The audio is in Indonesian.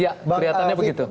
iya kelihatannya begitu